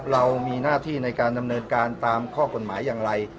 เรามีหน้าที่ในการดำเนินการตามข้อกฎหมายอย่างไร